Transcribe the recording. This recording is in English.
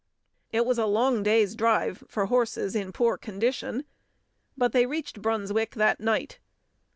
It was a long day's drive for horses in poor condition, but they reached Brunswick that night.